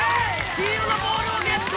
黄色のボールをゲット！